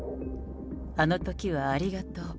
あのときはありがとう。